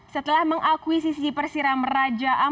setelah mengakui sisi persiram raja empat